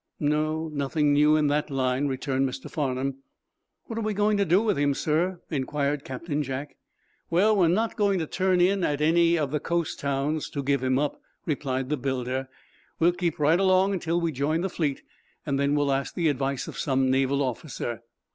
"Humph, no; nothing new in that line," returned Mr. Farnum. "What are we going to do with him, sir?" inquired Captain Jack. "Well, we're not going to turn in at any of the coast towns to give him up," replied the builder. "We'll keep right along until we join the fleet, and then we'll ask the advice of some naval officer."